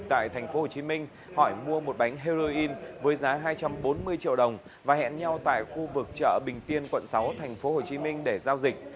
thành phố hồ chí minh hỏi mua một bánh heroin với giá hai trăm bốn mươi triệu đồng và hẹn nhau tại khu vực chợ bình tiên quận sáu thành phố hồ chí minh để giao dịch